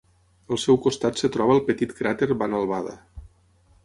Al seu costat es troba el petit cràter Van Albada.